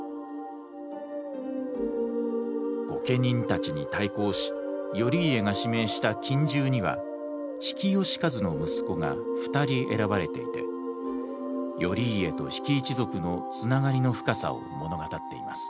御家人たちに対抗し頼家が指名した近習には比企能員の息子が２人選ばれていて頼家と比企一族の繋がりの深さを物語っています。